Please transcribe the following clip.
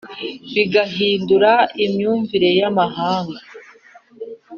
bigahindura imyumvire y'amahanga.